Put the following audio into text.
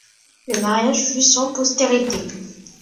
Le mariage fut sans postérité.